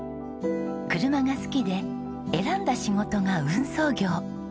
車が好きで選んだ仕事が運送業。